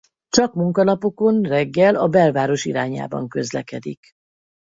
Csak munkanapokon reggel a belváros irányában közlekedik.